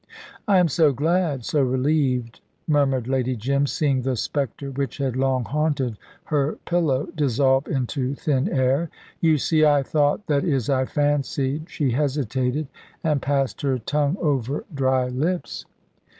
"I am so glad so relieved," murmured Lady Jim, seeing the spectre which had long haunted her pillow dissolve into thin air. "You see, I thought that is, I fancied " she hesitated, and passed her tongue over dry lips.